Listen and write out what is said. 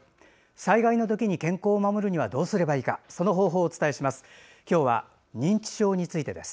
災害のときに健康を守るにはどうすればいいかその方法をお伝えします。